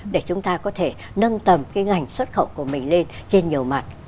để chúng ta có thể nâng tầm cái ngành xuất khẩu của mình lên trên nhiều mặt